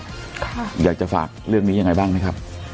ค่ะอยากจะฝากเรื่องนี้ยังไงบ้างไหมครับ